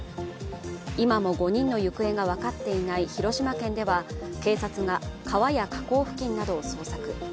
今も５人の行方が分かっていない広島県では警察が川や河口付近などを捜索。